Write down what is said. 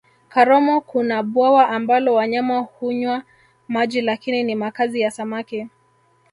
karomo kuna bwawa ambalo wanyama hunywa maji lakini ni makazi ya samaki